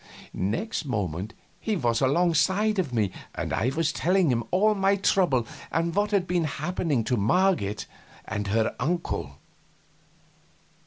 Next moment he was alongside of me and I was telling him all my trouble and what had been happening to Marget and her uncle.